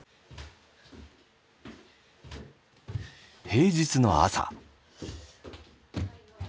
平日の朝。